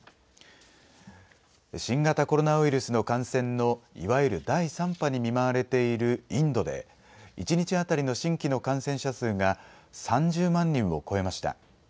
新型コロナウイルスの感染のいわゆる第３波に見舞われているインドで、１日当たりの新規の感染者数が３０万人を超えました。